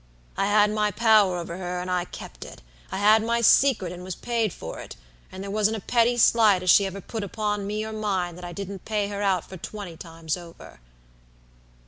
I had my power over her, and I kept it; I had my secret and was paid for it; and there wasn't a petty slight as she ever put upon me or mine that I didn't pay her out for twenty times over!"